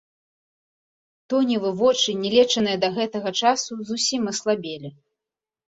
Тоневы вочы, не лечаныя да гэтага часу, зусім аслабелі.